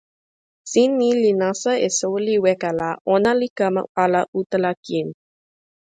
sin ni li nasa e soweli weka la, ona li kama ala utala kin.